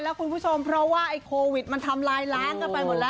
แล้วคุณผู้ชมเพราะว่าไอ้โควิดมันทำลายล้างกันไปหมดแล้ว